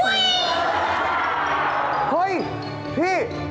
เฮ้ยพี่